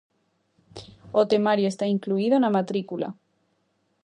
O temario está incluído na matrícula.